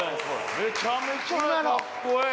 めちゃめちゃ格好ええ。